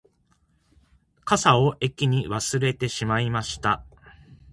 傘を駅に忘れてしまいました